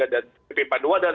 dan bagi peraturan